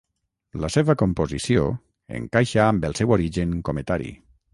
La seva composició encaixa amb el seu origen cometari.